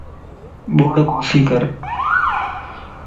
ٻوڙَ ڪوسي ڪر